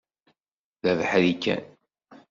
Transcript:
D abeḥri kan.